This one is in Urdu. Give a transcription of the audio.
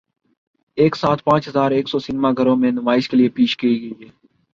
ایک ساتھ پانچ ہزار ایک سو سینما گھروں میں نمائش کے لیے پیش کی گئی